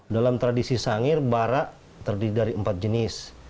dalam tradisi sangir barak terdiri dari empat jenis